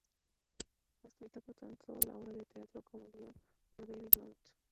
Fue escrita, tanto la obra de teatro como el guion, por David Mamet.